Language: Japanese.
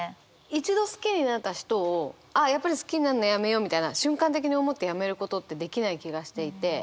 一度好きになった人をああやっぱり好きになんのやめようみたいな瞬間的に思ってやめることってできない気がしていて。